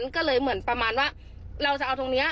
ก็เลยเหมือนประมาณว่าเราจะเอาตรงนี้